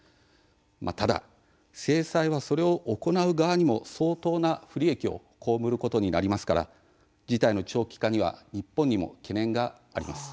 ただ、制裁はそれを行う側にも相当な不利益を被ることになりますから事態の長期化には日本にも懸念があります。